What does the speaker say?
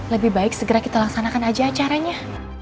lebih baik segera kita laksanakan aja acaranya